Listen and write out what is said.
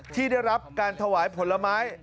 ที่ได้รับการถวายผลไม้